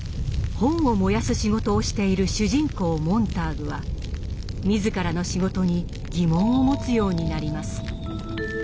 本を燃やす仕事をしている主人公モンターグは自らの仕事に疑問を持つようになります。